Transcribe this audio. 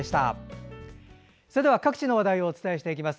それでは、各地の話題をお伝えしていきます。